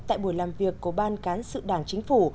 tại buổi làm việc của ban cán sự đảng chính phủ